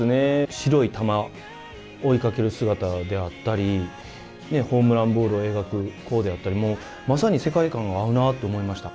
白い球を追いかける姿であったりホームランボールを描く弧であったりもう、まさに世界観が合うなと思いました。